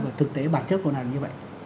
và thực tế bản chất của nó là như vậy